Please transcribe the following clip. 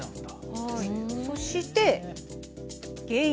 そして「原因」。